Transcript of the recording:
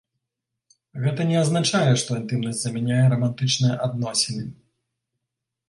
Гэта не азначае, што інтымнасць замяняе рамантычныя адносіны.